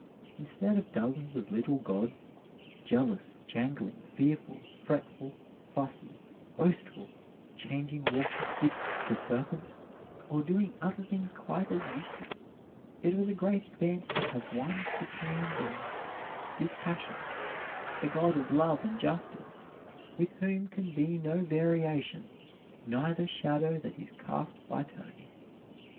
Instead of dozens of little gods, jealous, jangling, fearful, fretful, fussy, boastful, changing walking sticks to serpents, or doing other things quite as useless, it was a great advance to have one Supreme Being, dispassionate, a God of Love and Justice, "with whom can be no variation, neither shadow that is cast by turning."